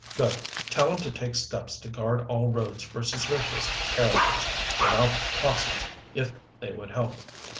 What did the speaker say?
"Good. Tell him to take steps to guard all roads for suspicious characters. Get out posses, if they would help.